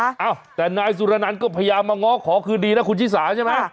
เอ้าแต่นายสุรนันต์ก็พยายามมาง้อขอคืนดีนะคุณชิสาใช่ไหม